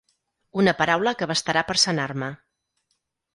Una paraula que bastarà per sanar-me.